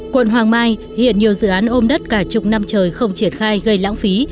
quận hoàng mai hiện nhiều dự án ôm đất cả chục năm trời không triển khai gây lãng phí